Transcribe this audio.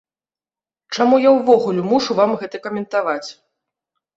Чаму я ўвогуле мушу вам гэта каментаваць?